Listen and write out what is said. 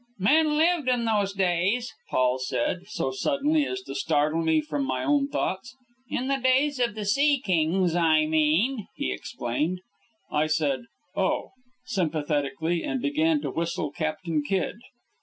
"Men lived in those days," Paul said, so suddenly as to startle me from my own thoughts. "In the days of the sea kings, I mean," he explained. I said "Oh!" sympathetically, and began to whistle "Captain Kidd."